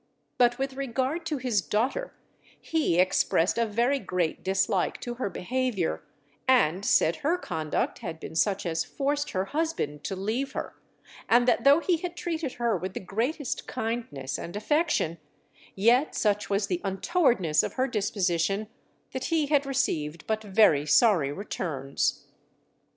But with regard to his daughter, he expressed a very great dislike to her behaviour, and said her conduct had been such as forced her husband to leave her; and that though he had treated her with the greatest kindness and affection, yet such was the untowardness of her disposition that he had received but very sorry returns.